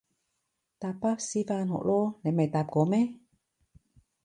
搭巴士返學囉，你未搭過咩？